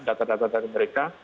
data data dari mereka